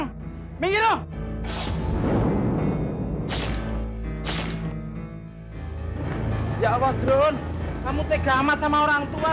nama bapak siapa